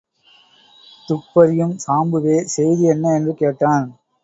துப்பறியும் சாம்புவே செய்தி என்ன? என்று கேட்டான்.